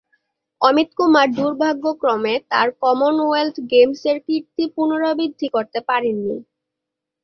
অমিত কুমার দুর্ভাগ্যক্রমে তাঁর কমনওয়েলথ গেমসের কীর্তি পুনরাবৃত্তি করতে পারেন নি।